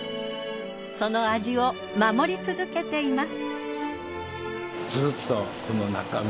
その味を守り続けています。